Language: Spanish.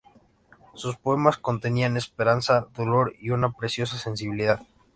Sus "poemas contenían esperanza, dolor y una preciosa sensibilidad".